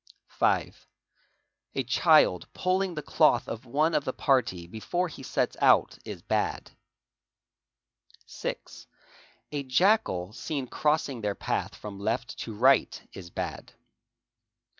5. A child pulling the cloth of one of the party before he sets out is bad. 6. A jackal seen crossing their path from left to right is bad.